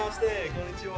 こんにちは